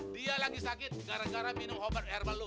dia lagi sakit gara gara minum obat herbal loh